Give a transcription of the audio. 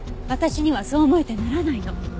私にはそう思えてならないの。